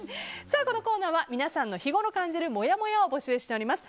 このコーナーは皆さんが日ごろ感じるもやもやを募集しています。